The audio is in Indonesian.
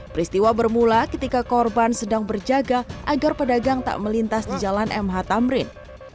peristiwa bermula ketika korban sedang berjaga agar pedagang tak melintas di jalan mh tamrin